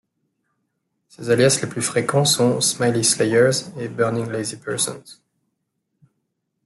Ses alias les plus fréquents sont Smily Slayers et Burning Lazy Persons.